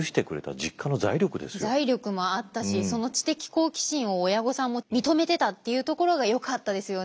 財力もあったしその知的好奇心を親御さんも認めてたっていうところがよかったですよね。